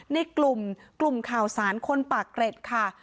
ในกลุ่มข่าวสารคนป่าเกร็ดค่ะ